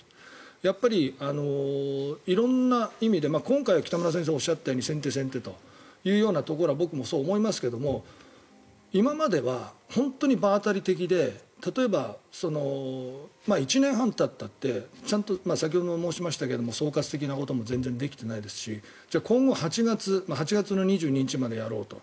やっぱり色んな意味で、今回北村先生がおっしゃったように先手先手というところは僕もそう思いますけれど今までは本当に場当たり的で例えば１年半たったってちゃんと先ほども申しましたが総括的なことも全然できていないですし今後８月８月２２日までやろうと。